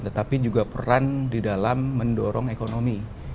tetapi juga peran di dalam mendorong ekonomi